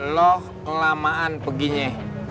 lo kelamaan peginya